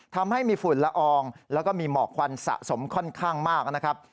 ทำให้มีฝุ่นละอองแล้วก็มีหมอกควันสะสมค่อนข้างมากนะครับ